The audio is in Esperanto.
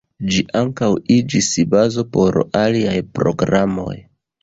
Ĝi ankaŭ iĝis bazo por aliaj programoj.